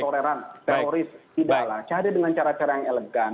toleran teroris tidaklah cari dengan cara cara yang elegan